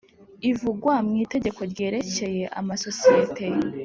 ivugwa mu Itegeko ryerekeye amasosiyete